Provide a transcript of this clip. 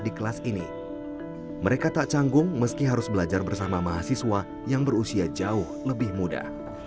di kelas ini mereka tak canggung meski harus belajar bersama mahasiswa yang berusia jauh lebih muda